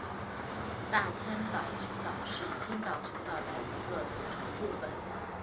大千岛群岛是千岛群岛的一个组成部分。